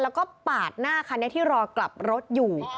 แล้วก็ปาดหน้าคันนี้ที่รอกลับรถอยู่